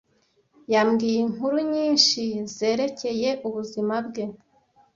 Yambwiye inkuru nyinshi zerekeye ubuzima bwe.